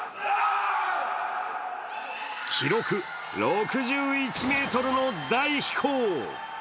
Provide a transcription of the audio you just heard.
記録６１ｍの大飛行。